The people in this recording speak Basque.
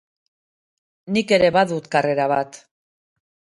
Nik ere badut karrera bat.